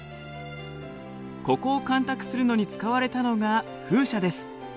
ここを干拓するのに使われたのが風車です。